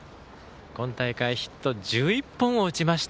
今大会ヒット１１本を打ちました。